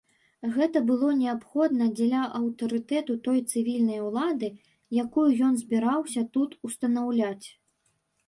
Гэта было неабходна дзеля аўтарытэту той цывільнай улады, якую ён збіраўся тут устанаўляць.